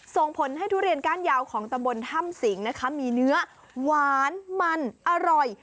ส่งผลให้ทุเรียนก้านยาวของตำบลถ้ำสิงนะคะมีเนื้อหวานมันอร่อย